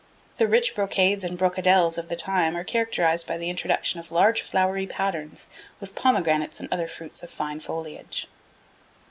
The rich brocades and brocadelles of the time are characterised by the introduction of large flowery patterns, with pomegranates and other fruits with fine foliage.